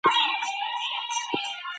ځینې یې یوازې ساعت تېرۍ ګڼي.